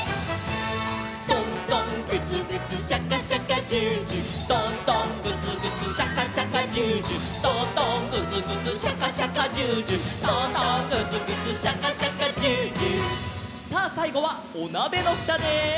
「トントングツグツシャカシャカジュージュー」「トントングツグツシャカシャカジュージュー」「トントングツグツシャカシャカジュージュー」「トントングツグツシャカシャカジュージュー」さあさいごはおなべのふたで。